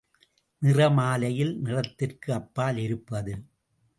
நிற மாலையில் நிறத்திற்கு அப்பால் இருப்பது.